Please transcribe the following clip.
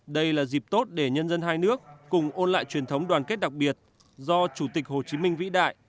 đây là dịp tốt để nhân dân hai nước cùng ôn lại truyền thống đoàn kết đặc biệt do chủ tịch hồ chí minh vĩ đại